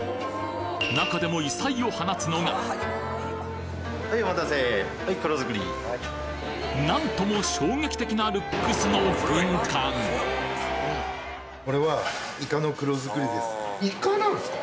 中でも異彩を放つのがなんとも衝撃的なルックスの軍艦イカなんですか？